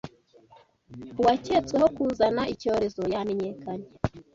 Uwaketsweho kuzana icyorezo yamenyekanye